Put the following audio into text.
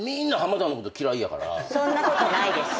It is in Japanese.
そんなことないです。